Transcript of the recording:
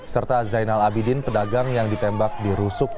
serta zainal abidin pedagang yang ditembak di rusuk